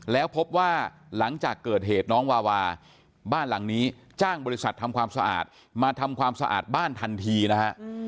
แล้วพบว่าหลังจากเกิดเหตุน้องวาวาบ้านหลังนี้จ้างบริษัททำความสะอาดมาทำความสะอาดบ้านทันทีนะฮะ